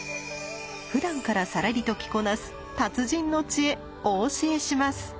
ふだんからさらりと着こなす達人の知恵お教えします。